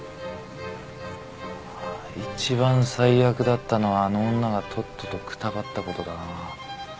一番最悪だったのはあの女がとっととくたばったことだな。